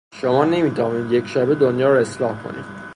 شما نمیتوانید یک شبه دنیا را اصلاح کنید.